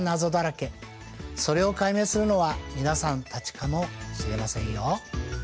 それを解明するのは皆さんたちかもしれませんよ。